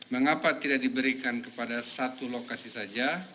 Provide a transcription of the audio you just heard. mengapa tidak diberikan kepada satu lokasi saja